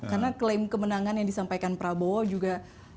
karena klaim kemenangan yang disampaikan prabowo juga